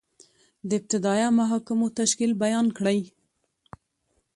د ابتدائیه محاکمو تشکیل بیان کړئ؟